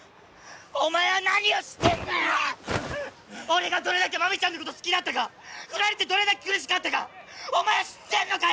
俺がどれだけ麻美ちゃんのこと好きだったか振られてどれだけ苦しかったかお前は知ってんのかよ